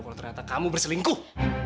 kalau ternyata kamu berselingkuh